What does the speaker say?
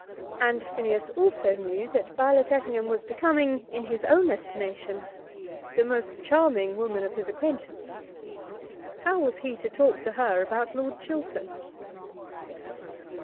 And Phineas also knew that Violet Effingham was becoming, in his own estimation, the most charming woman of his acquaintance. How was he to talk to her about Lord Chiltern?